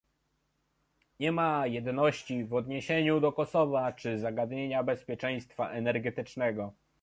Nie ma jedności w odniesieniu do Kosowa czy zagadnienia bezpieczeństwa energetycznego